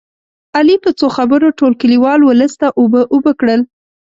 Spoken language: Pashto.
علي په څو خبرو ټول کلیوال اولس ته اوبه اوبه کړل